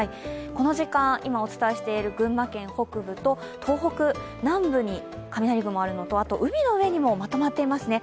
この時間、今お伝えしている群馬県北部と東北南部に雷雲があるのとあと海の上にもまとまっていますね。